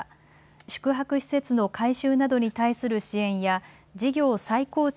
宿泊施設の改修などに対する支援や事業再構築